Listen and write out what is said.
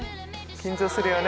緊張するよね。